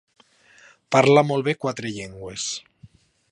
Parla molt bé quatre llengües.